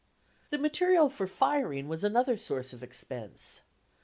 The material for firing was another source of expense.